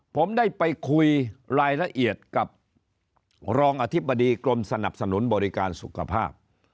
ผมได้ไปคุยรายละเอียดกับรองอธิบดีกรมสนับสนุนบริการสุขภาพ